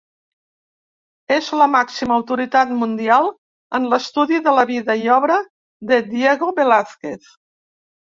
És la màxima autoritat mundial en l'estudi de la vida i obra de Diego Velázquez.